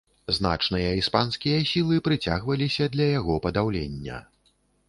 Значныя іспанскія сілы прыцягваліся для яго падаўлення.